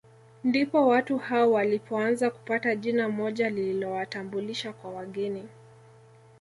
Ndipo watu hao walipoanza kupata jina moja lililowatambulisha kwa wageni